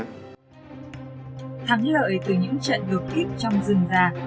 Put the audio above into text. thắng lợi từ những trận được kích trong rừng vàng